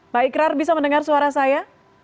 pak ikrar bisa mendengar suara saya